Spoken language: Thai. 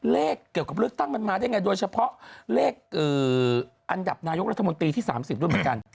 เลขเกี่ยวกับเลือกตั้งมันมาได้ไงโดยเฉพาะเลขอันดับนายกรัฐมนตรีที่๓๐ด้วยเหมือนกัน